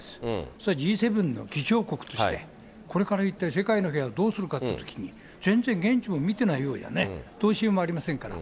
それはＧ７の議長国として、これから一体世界の平和はどうするかっていうときに、全然現地も見てないようじゃね、どうしようもありませんから。